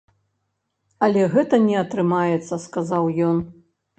Але гэта не атрымаецца, сказаў ён.